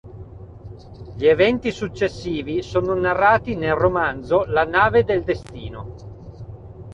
Gli eventi successivi sono narrati nel romanzo "La nave del destino".